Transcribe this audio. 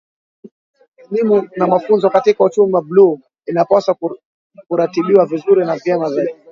Elimu na mafunzo katika Uchumi Bluu inapaswa kuratibiwa vizuri na vyema zaidi